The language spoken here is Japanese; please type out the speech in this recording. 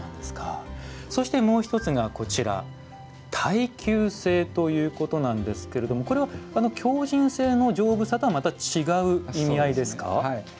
そして、もう１つが耐久性ということなんですがこれは、強じん性の丈夫さとはまた違う意味合いですか？